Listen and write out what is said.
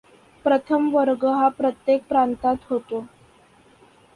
प्रथम वर्ग हा प्रत्येक प्रांतात होतो.